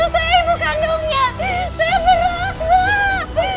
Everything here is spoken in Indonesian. saya ibu kandungnya saya beruang buah